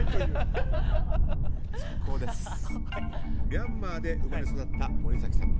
ミャンマーで生まれ育った森崎さん。